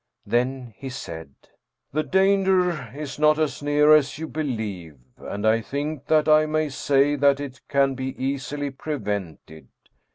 Then he said :" The danger is not as near as you believe, and I think that I may say that it can be easily prevented.